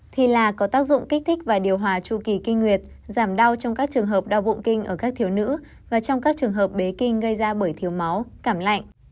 thì là có tác dụng kích thích và điều hòa chu kỳ kinh nguyệt giảm đau trong các trường hợp đau bụng kinh ở các thiếu nữ và trong các trường hợp bế kinh gây ra bởi thiếu máu cảm lạnh